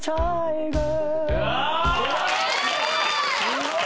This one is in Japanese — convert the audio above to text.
・すごい！